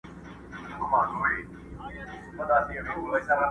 یار اخیستی همېشه د ښکلو ناز دی،